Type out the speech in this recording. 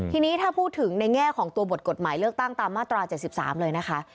ทีนี้ถ้าพูดถึงในแง่ของตัวบทกฎหมายเลือกตั้งตามมาตรา๗๓เลยนะคะ